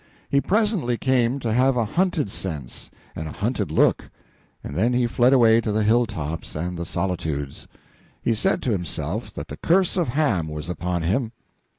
He presently came to have a hunted sense and a hunted look, and then he fled away to the hill tops and the solitudes. He said to himself that the curse of Ham was upon him.